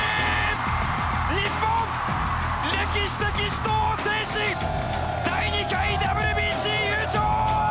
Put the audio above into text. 日本歴史的死闘を制し第２回ＷＢＣ優勝！